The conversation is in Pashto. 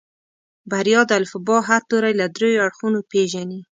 بريا د الفبا هر توری له دريو اړخونو پېژني.